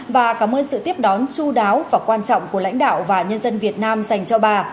và cảm ơn sự tiếp đón chú đáo và quan trọng của lãnh đạo và nhân dân việt nam dành cho bà